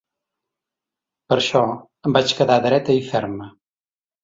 Per això, em vaig quedar dreta i ferma.